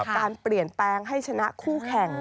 การเปลี่ยนแปลงให้ชนะคู่แข่ง